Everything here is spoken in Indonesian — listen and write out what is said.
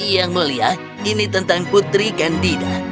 yang mulia ini tentang putri candida